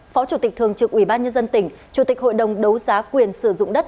phó chủ tịch thường trực ủy ban nhân dân tỉnh chủ tịch hội đồng đấu giá quyền sử dụng đất